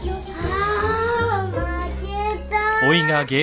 あ負けた！